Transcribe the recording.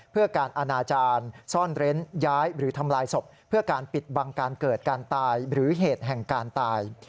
เพื่อการอนาจารย์ซ่อนเร้นย้ายหรือทำลายศพเพื่อการปิดบังการเกิดการตายหรือเหตุแห่งการตาย